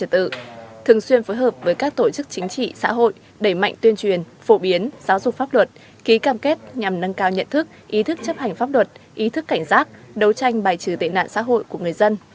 thường xuyên phối hợp với các tổ chức chính trị xã hội đẩy mạnh tuyên truyền phổ biến giáo dục pháp luật ký cam kết nhằm nâng cao nhận thức ý thức chấp hành pháp luật ý thức cảnh giác đấu tranh bài trừ tệ nạn xã hội của người dân